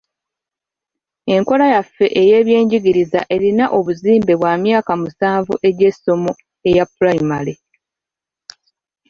Enkola yaffe ey'ebyenjigiriza erina obuzimbe bwa myaka musanvu egy'ensoma eya pulayimale.